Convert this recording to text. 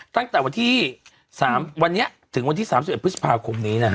ตั้งแต่วันที่๓วันนี้ถึงวันที่๓๑พฤษภาคมนี้นะฮะ